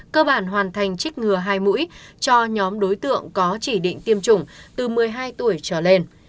cơ bản hoàn thành chích ngừa hai mũi cho nhóm đối tượng có chỉ định tiêm chủng từ một mươi hai tuổi trở lên